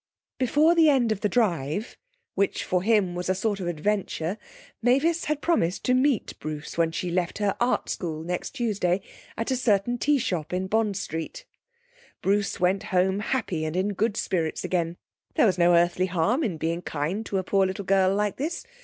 Before the end of the drive, which for him was a sort of adventure, Mavis had promised to meet Bruce when she left her Art School next Tuesday at a certain tea shop in Bond Street. Bruce went home happy and in good spirits again. There was no earthly harm in being kind to a poor little girl like this.